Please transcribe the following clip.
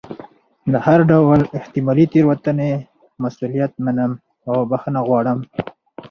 د هر ډول احتمالي تېروتنې مسؤلیت منم او بښنه غواړم.